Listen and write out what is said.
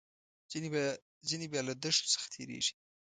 ځینې بیا له دښتو څخه تیریږي.